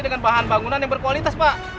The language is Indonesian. dengan bahan bangunan yang berkualitas pak